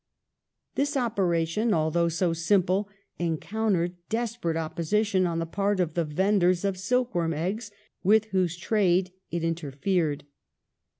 This opera tion, although so simple, encountered desperate opposition on the. part of vendors of silk worm eggs, with whose trade it interfered.